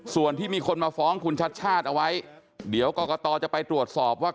ส่วนที่มีคนมาฟ้องคุณชัดชาติเอาไว้เดี๋ยวกรกตจะไปตรวจสอบว่า